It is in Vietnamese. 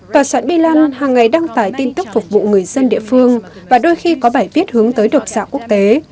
tòa soạn bilan hàng ngày đăng tải tin tức phục vụ người dân địa phương và đôi khi có bài viết hướng tới độc giả quốc tế